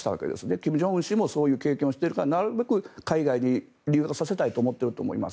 金正恩氏もそういう経験をしているからなるべく海外に留学させたいと思っていると思います。